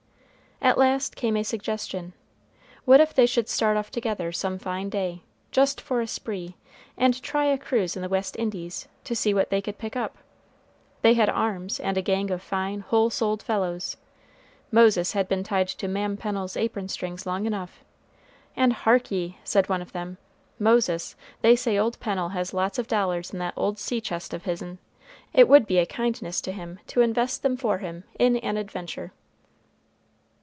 At last came a suggestion, What if they should start off together some fine day, "just for a spree," and try a cruise in the West Indies, to see what they could pick up? They had arms, and a gang of fine, whole souled fellows. Moses had been tied to Ma'am Pennel's apron string long enough. And "hark ye," said one of them, "Moses, they say old Pennel has lots of dollars in that old sea chest of his'n. It would be a kindness to him to invest them for him in an adventure."